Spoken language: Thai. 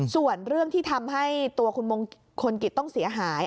ส่วนเรื่องที่ทำให้ตัวคุณมงคลกิจต้องเสียหาย